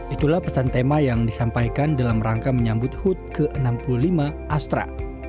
itulah pesan tema yang disampaikan dalam rangka menyambut hud ke enam puluh lima astra